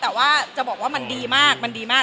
แต่ว่าจะบอกว่ามันดีมากมันดีมาก